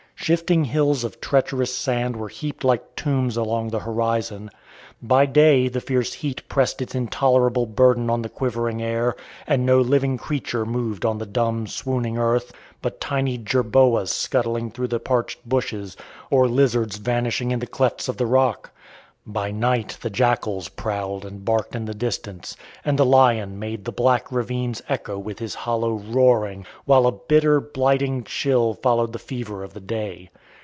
Shifting hills of treacherous sand were heaped like tombs along the horizon. By day, the fierce heat pressed its intolerable burden on the quivering air; and no living creature moved, on the dumb, swooning earth, but tiny jerboas scuttling through the parched bushes, or lizards vanishing in the clefts of the rock. By night the jackals prowled and barked in the distance, and the lion made the black ravines echo with his hollow roaring, while a bitter, blighting chill followed the fever of the day.